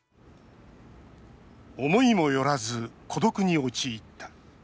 思いもよらず、孤独に陥った。